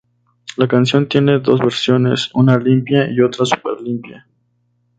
La canción tiene dos versiones, una "limpia" y otra "súper limpia".